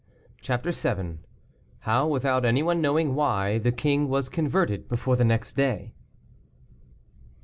CHAPTER VII. HOW, WITHOUT ANY ONE KNOWING WHY, THE KING WAS CONVERTED BEFORE THE NEXT DAY.